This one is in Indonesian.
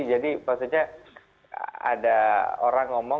jadi maksudnya ada orang ngomong